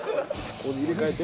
ここで入れ替えて。